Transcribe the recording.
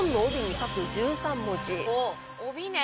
帯ね。